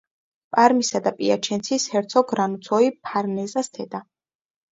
პარმისა და პიაჩენცის ჰერცოგ რანუციო ფარნეზეს დედა.